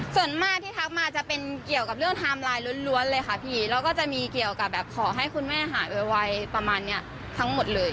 ส่วนมากที่ทักมาจะเป็นเกี่ยวกับเรื่องไทม์ไลน์ล้วนเลยค่ะพี่แล้วก็จะมีเกี่ยวกับแบบขอให้คุณแม่หายไวประมาณเนี้ยทั้งหมดเลย